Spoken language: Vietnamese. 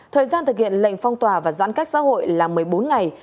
thời gian thực hiện lệnh phong tỏa và giãn cách xã hội là một mươi bốn ngày